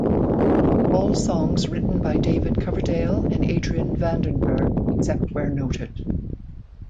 All songs written by David Coverdale and Adrian Vandenberg except where noted.